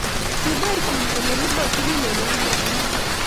Kinay Kim kole komatililen eunekchi